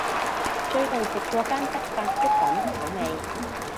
最近食過間德發粥品好味